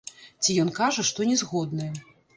Ці ён кажа, што не згодны.